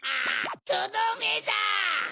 とどめだ！